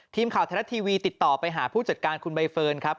ทีมข่าวไทยรัฐทีวีติดต่อไปหาผู้จัดการคุณใบเฟิร์นครับ